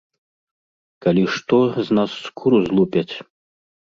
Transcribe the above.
Калі што, з нас скуру злупяць.